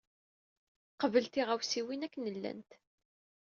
Qbel tiɣawsiwin akken llant.